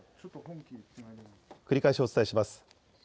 繰り返しお伝えします。